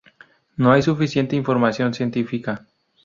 No hay suficiente información científica.